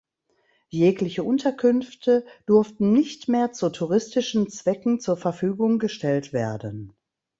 Jegliche Unterkünfte durften nicht mehr zu touristischen Zwecken zur Verfügung gestellt werden.